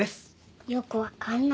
よく分かんない。